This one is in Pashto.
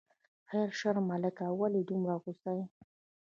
خیر شه ملکه، ولې دومره غوسه یې.